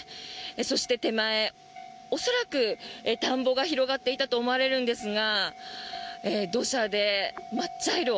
そして、手前恐らく田んぼが広がっていたと思われるんですが土砂で真っ茶色。